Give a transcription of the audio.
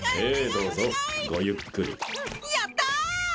どうぞごゆっくりやった！